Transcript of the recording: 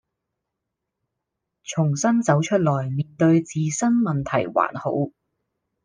重新走出來面對自身問題還好